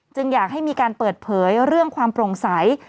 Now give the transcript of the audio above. อยากให้มีการเปิดเผยเรื่องความโปร่งใส